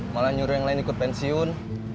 malah nyuruh yang lain ikut pensiun